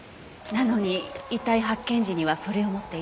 なのに遺体発見時にはそれを持っていなかった。